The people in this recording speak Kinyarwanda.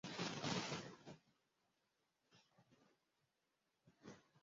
Abantu barangiza gutora mugihe abana bicaye inyuma yabo bareba